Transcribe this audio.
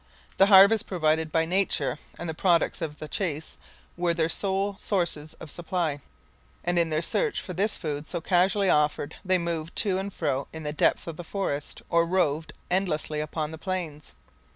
The harvest provided by nature and the products of the chase were their sole sources of supply, and in their search for this food so casually offered they moved to and fro in the depths of the forest or roved endlessly upon the plains.